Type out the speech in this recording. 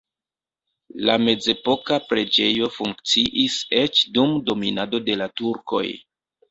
La mezepoka preĝejo funkciis eĉ dum dominado de la turkoj.